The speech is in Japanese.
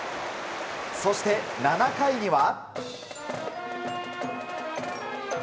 そして７回には。